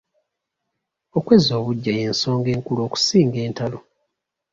Okwezza obuggya y’ensonga enkulu okusinga entalo.